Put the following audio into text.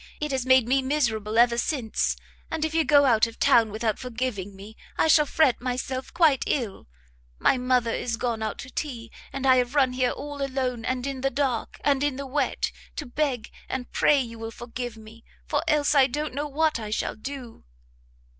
it has made me miserable ever since, and if you go out of town without forgiving me, I shall fret myself quite ill! my mother is gone out to tea, and I have run here all alone, and in the dark, and in the wet, to beg and pray you will forgive me, for else I don't know what I shall do!"